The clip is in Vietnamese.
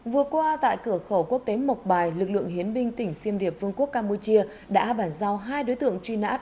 vừa qua tại cửa khẩu quốc tế mộc bài lực lượng hiến binh tỉnh xiêm điệp vương quốc campuchia đã bản giao hai đối tượng truy nã